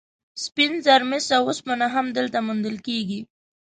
سپین زر، مس او اوسپنه هم دلته موندل کیږي.